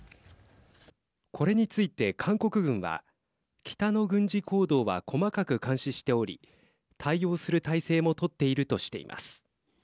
これについて、韓国軍は北の軍事行動は細かく監視しており対応する態勢も取っているとしています。